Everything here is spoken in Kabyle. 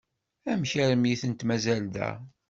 Amek armi i tent-mazal da?